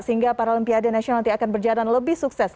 sehingga paralimpiade nasional nanti akan berjalan lebih sukses